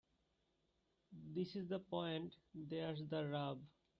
this is the point. There's the rub